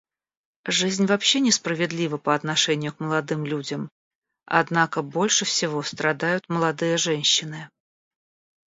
Жизнь вообще несправедлива по отношению к молодым людям, однако больше всего страдают молодые женщины.